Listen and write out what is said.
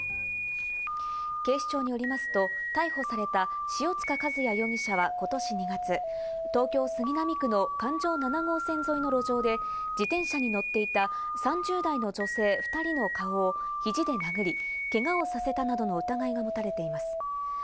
警視庁によりますと、逮捕された塩塚和也容疑者は今年２月、東京・杉並区の環状七号線沿いの路上で、自転車に乗っていた３０代の女性２人の顔を肘で殴り、けがをさせたなどの疑いが持たれています。